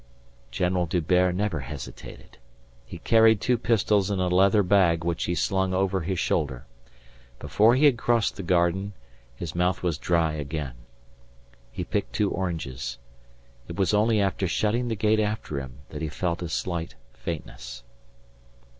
General D'Hubert never hesitated. He carried two pistols in a leather bag which he slung over his shoulder. Before he had crossed the garden his mouth was dry again. He picked two oranges. It was only after shutting the gate after him that he felt a slight faintness.